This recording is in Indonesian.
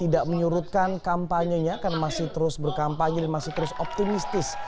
bahkan kampanyenya karena masih terus berkampanye masih terus optimistis